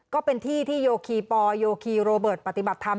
ก็เป็นที่ที่โยคีปอลโยคีโรเบิร์ตปฏิบัติธรรม